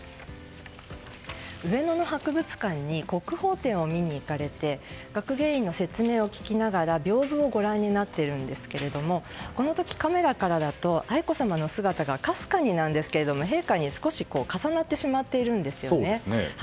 上野の博物館に国宝展を見に行かれて学芸員の説明を聞きながら屏風をご覧になっていますがこの時カメラからだと愛子さまの姿がかすかになんですけれども陛下に少し重なってしまっているんですね。